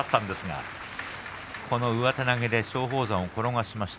その上手投げで松鳳山を転がしました。